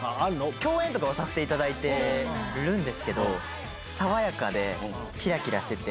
共演とかはさせていただいたりとかするんですけど、爽やかできらきらしてて。